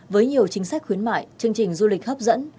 với nhiều chính sách khuyến mại chương trình du lịch hấp dẫn